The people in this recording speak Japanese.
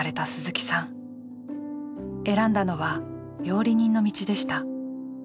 選んだのは料理人の道でした。